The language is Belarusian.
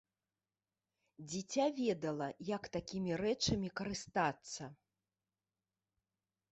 Дзіця ведала, як такімі рэчамі карыстацца.